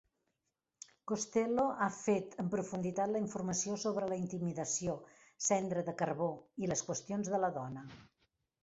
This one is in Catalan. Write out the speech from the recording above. Costello ha fet en profunditat la informació sobre la intimidació, cendra de carbó, i les qüestions de la dona.